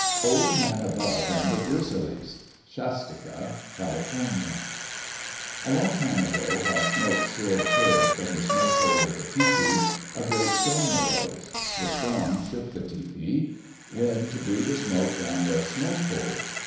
Old Man Above and the Grizzlies Shastika (Cal.) Along time ago, while smoke still curled from the smoke hole of the tepee, a great storm arose. The storm shook the tepee. Wind blew the smoke down the smoke hole.